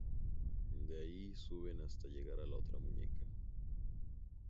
De ahí suben hasta llegar a la otra muñeca.